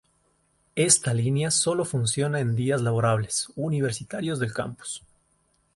Esta línea sólo funciona en días laborables universitarios del campus.